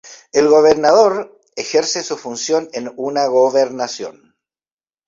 El gobernador, ejerce su función en una gobernación.